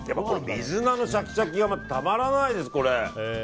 水菜のシャキシャキがたまらないです。